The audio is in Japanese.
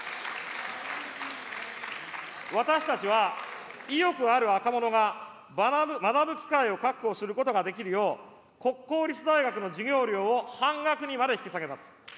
私たちは意欲ある若者が学ぶ機会を確保することができるよう、国公立大学の授業料を半額にまで引き下げます。